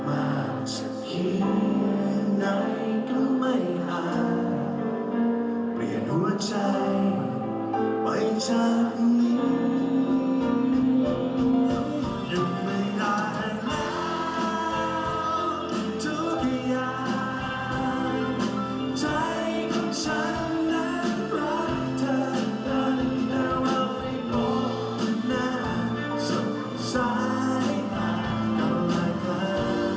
สักทีไหนก็ไม่อาจเปลี่ยนหัวใจไว้จากนี้